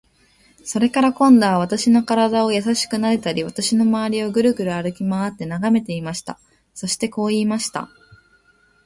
それから、今度は私の身体をやさしくなでたり、私のまわりをぐるぐる歩きまわって眺めていました。そしてこう言いました。